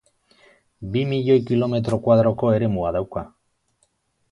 Bi milioi kilometro koadroko eremua dauka.